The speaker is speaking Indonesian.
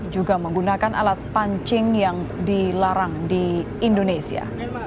juga menggunakan alat pancing yang dilarang di indonesia